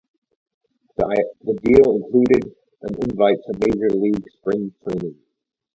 The deal included an invite to major league spring training.